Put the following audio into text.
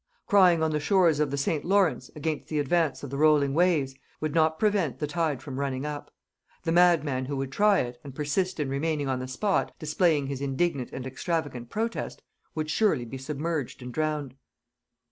Crying on the shores of the St. Lawrence, against the advance of the rolling waves, would not prevent the tide from running up. The mad man who would try it, and persist in remaining on the spot, displaying his indignant and extravagant protest, would surely be submerged and drowned.